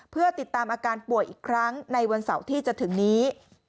เพื่อติดตามอาการป่วยอีกครั้งในวันเสาร์ที่จะถึงนี้